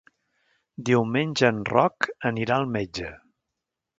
Diumenge en Roc anirà al metge.